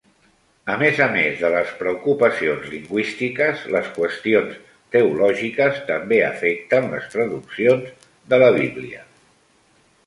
A més a més de les preocupacions lingüístiques, les qüestions teològiques també afecten les traduccions de la Bíblia.